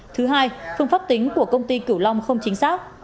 thứ hai phương pháp tính của công ty cửu long không chính xác